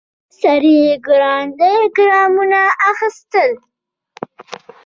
سړی ګړندي ګامونه اخيستل.